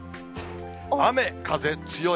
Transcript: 雨風強い。